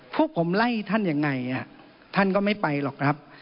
พวกผมไล่ท่านยังไงท่านก็ไม่ไปหรอกครับ